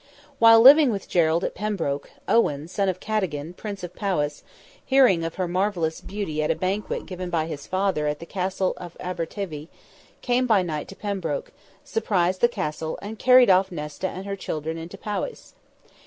While living with Gerald at Pembroke, Owen, son of Cadogan, Prince of Powis, hearing of her marvellous beauty at a banquet given by his father at the Castle of Aberteivi, came by night to Pembroke, surprised the Castle, and carried off Nesta and her children into Powis.